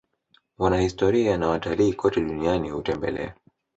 wanahistoria na watalii kote duniani hutembelea